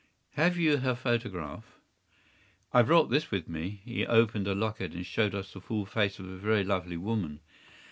” “Have you her photograph?” “I brought this with me.” He opened a locket, and showed us the full face of a very lovely woman.